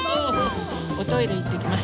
おトイレいってきます。